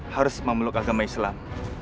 harus memeluk agama islam